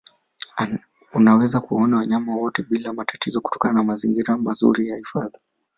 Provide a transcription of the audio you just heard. Unaweza kuwaona wanyama wote bila matatizo kutokana na mazingira mazuri ya hifadhi